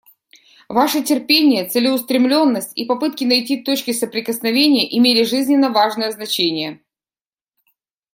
Ваши терпение, целеустремленность и попытки найти точки соприкосновения имели жизненно важное значение.